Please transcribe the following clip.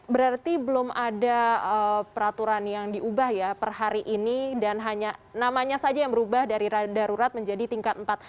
berarti belum ada peraturan yang diubah ya per hari ini dan hanya namanya saja yang berubah dari darurat menjadi tingkat empat